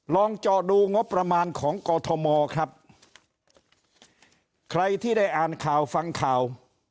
ลองเจาะดูงบประมาณของกอทมครับใครที่ได้อ่านข่าวฟังข่าว